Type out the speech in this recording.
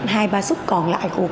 hai ba xuất còn lại của